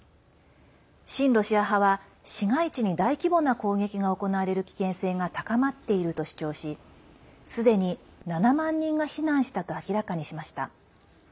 親ロシア派は、市街地に大規模な攻撃が行われる危険性が高まっていると主張しすでに７万人が避難したと明らかにしました。